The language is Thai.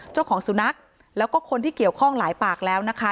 เจ้าของสุนัขแล้วก็คนที่เกี่ยวข้องหลายปากแล้วนะคะ